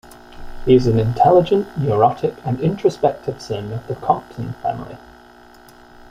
He is an intelligent, neurotic, and introspective son of the Compson Family.